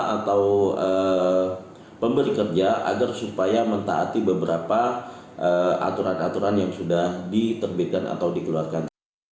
atau pemberi kerja agar supaya mentaati beberapa aturan aturan yang sudah diterbitkan atau dikeluarkan